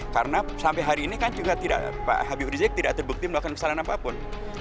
karena sampai hari ini kan juga tidak pak habib rizik tidak terbukti melakukan kesalahan apapun